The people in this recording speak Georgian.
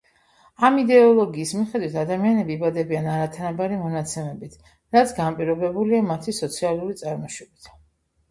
ამ იდეოლოგიის მიხედვით ადამიანები იბადებიან არათანაბარი მონაცემებით, რაც განპირობებულია მათი სოციალური წარმოშობით.